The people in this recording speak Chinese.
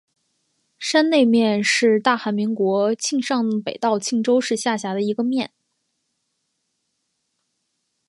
山内面是大韩民国庆尚北道庆州市下辖的一个面。